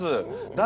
誰？